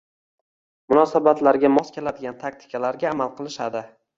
munosabatlarga mos keladigan taktikalarga amal qilishadi.